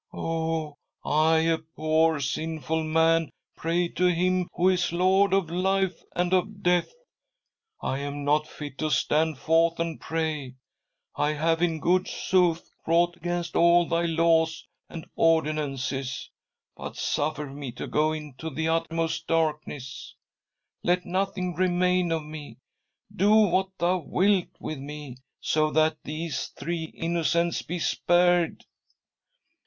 "Oh, I, a poor sinful man, pray to Him who is Lord Of life and of death. I am not fit to stand forth and pray. • I have,, in good sooth, wrought against all Thy laws and ordinances, but suffer me to go into the uttermost darkness. Let nothing remain of me: Do what Thou wilt with me, so that these three innocents be spared."